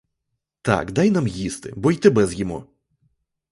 Так дай нам їсти, бо й тебе з'їмо!